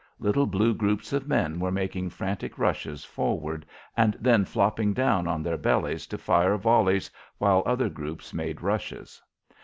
Little blue groups of men were making frantic rushes forward and then flopping down on their bellies to fire volleys while other groups made rushes.